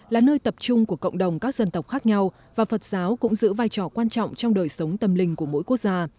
là nơi tập trung của cộng đồng các dân tộc khác nhau và phật giáo cũng giữ vai trò quan trọng trong đời sống tâm linh của mỗi quốc gia